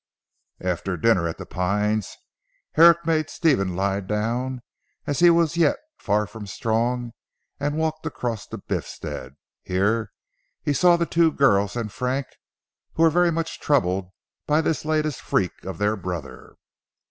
After dinner at "The Pines," Herrick made Stephen lie down, as he was yet far from strong, and walked across to Biffstead. Here he saw the two girls and Frank, who were very much troubled by this latest freak of their brother.